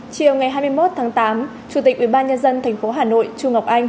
trong ngày hai mươi một tháng tám chủ tịch ubnd tp hcm